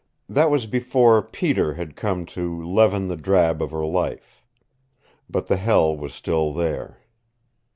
That was before Peter had come to leaven the drab of her life. But the hell was still there.